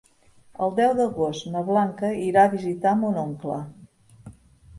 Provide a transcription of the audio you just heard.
El deu d'agost na Blanca irà a visitar mon oncle.